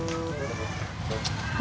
apa sih klau